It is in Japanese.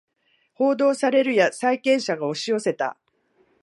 報道されるや債権者が押し寄せた